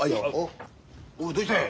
おおどうしたい。